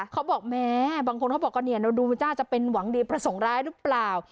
เขาบอกแม้บางคนเขาบอกว่าเนี่ยเราดูมันจ้าจะเป็นหวังดีประสงค์ร้ายหรือเปล่า